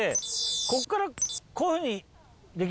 ここからこういうふうにできる？